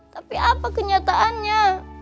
tapi apa kenyataannya